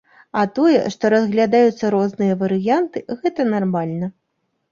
А тое, што разглядаюцца розныя варыянты, гэта нармальна.